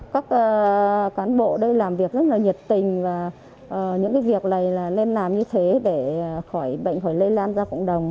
các cán bộ đây làm việc rất là nhiệt tình và những việc này là lên làm như thế để khỏi bệnh khỏi lây lan ra cộng đồng